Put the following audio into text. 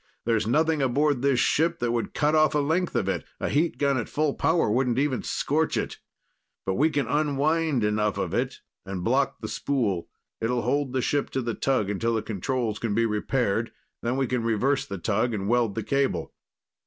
There's nothing aboard this ship that would cut off a length of it a heat gun at full power wouldn't even scorch it but we can unwind enough of it, and block the spool. It'll hold the ship to the tug until the controls can be repaired, then we can reverse the tug and weld the cable."